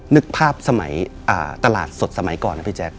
นึกภาพสมัยตลาดสดสมัยก่อนนะพี่แจ๊ค